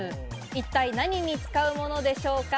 一体何に使うものでしょうか？